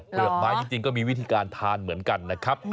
กไม้จริงก็มีวิธีการทานเหมือนกันนะครับ